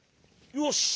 よし。